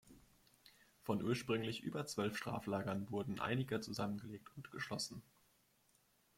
Von ursprünglich über zwölf Straflagern wurden einige zusammengelegt und geschlossen.